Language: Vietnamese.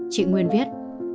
chị nguyên viết